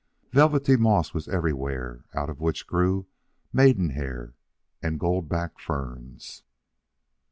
Velvety moss was everywhere, out of which grew maiden hair and gold back ferns.